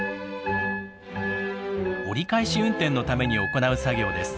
折り返し運転のために行う作業です。